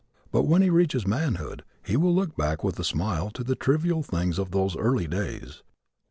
But when he reaches manhood he will look back with a smile to the trivial things of those early days.